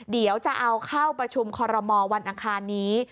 เดี๋ยวจะเอาเข้าประชุมคอรมอลวันอังคารนี้